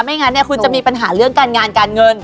งั้นเนี่ยคุณจะมีปัญหาเรื่องการงานการเงิน